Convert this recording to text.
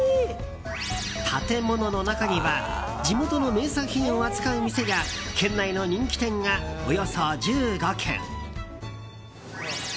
建物の中には地元の名産品を扱う店や県内の人気店がおよそ１５、軒を連ねます。